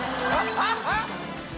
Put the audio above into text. あっ！